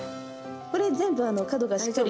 これ全部角がしっかり